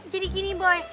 jadi gini boy